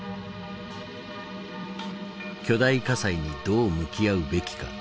巨大火災にどう向き合うべきか。